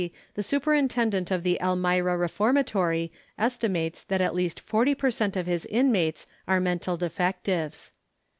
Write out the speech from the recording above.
the Superintendent of the Elmira Reformatory estimates f that at least 40 per cent of his inmates are mental defectives.